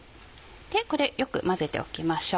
これよく混ぜておきましょう。